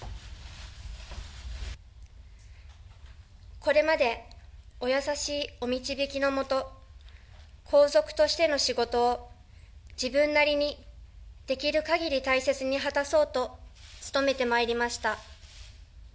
これまでお優しいお導きのもと、皇族としての仕事を自分なりにできるかぎり大切に果たそうと、努めてまいりました。